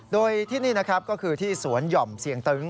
โดยที่นี่นะครับก็คือที่สวนหย่อมเสียงตึง